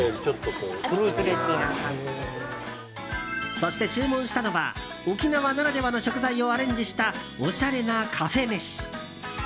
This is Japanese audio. そして注文したのは沖縄ならではの食材をアレンジしたおしゃれなカフェ飯。